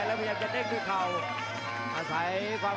ประโยชน์ทอตอร์จานแสนชัยกับยานิลลาลีนี่ครับ